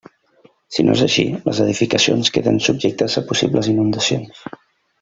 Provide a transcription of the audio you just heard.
Si no és així, les edificacions queden subjectes a possibles inundacions.